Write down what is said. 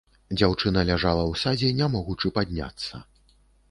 Дзяўчына ляжала ў садзе, не могучы падняцца.